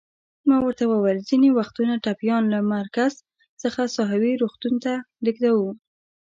ما ورته وویل: ځینې وختونه ټپیان له مرکز څخه ساحوي روغتون ته لېږدوو.